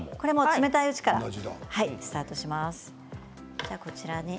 冷たいうちからスタートします。